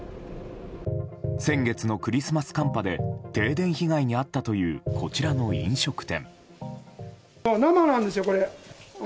先月のクリスマス寒波で停電被害に遭ったというこちらの飲食店。